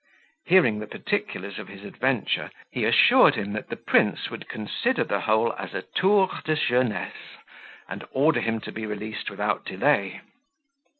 Hearing the particulars of his adventure, he assured him that the prince would consider the whole as a tour de jeunesse, and order him to be released without delay.